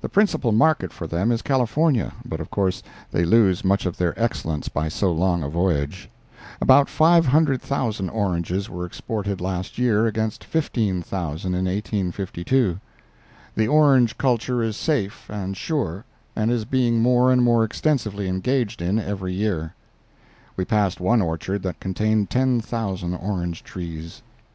The principal market for them is California, but of course they lose much of their excellence by so long a voyage. About 500,000 oranges were exported last year against 15,000 in 1852. The orange culture is safe and sure, and is being more and more extensively engaged in every year. We passed one orchard that contained ten thousand orange trees.